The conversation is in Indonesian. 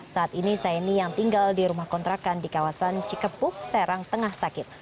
saat ini saini yang tinggal di rumah kontrakan di kawasan cikepuk serang tengah sakit